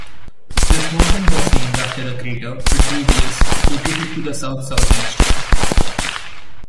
This mountain was named after the crater Vitruvius, located to the south-southeast.